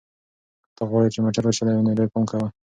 که ته غواړې چې موټر وچلوې نو ډېر پام کوه.